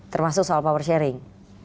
termasuk soal power sharing